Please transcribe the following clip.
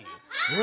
え？